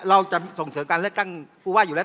เราจะส่งเสริมการเลือกตั้งผู้ว่าอยู่แล้ว